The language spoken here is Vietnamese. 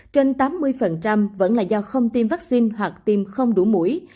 trên tám mươi vẫn là do không tiêm vaccine hoặc tiêm không đủ mũi